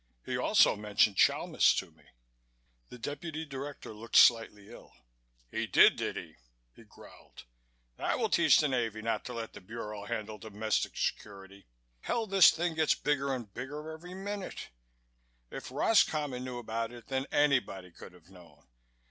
"He also mentioned Chalmis to me." The Deputy Director looked slightly ill. "He did, did he?" he growled. "That will teach the Navy not to let the Bureau handle domestic security. Hell, this thing gets bigger and bigger every minute. If Roscommon knew about it, then anybody could have known.